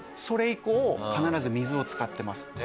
それ以降必ず水を使ってます。